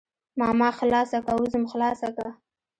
ماما خلاصه که وځم خلاصه که.